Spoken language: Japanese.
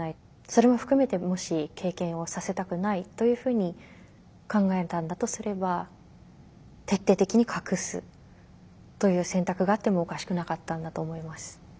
それも含めてもし経験をさせたくないというふうに考えたんだとすれば徹底的に隠すという選択があってもおかしくなかったんだと思います。